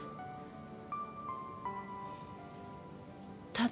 ただ。